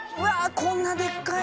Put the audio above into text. こんなでっかいのが？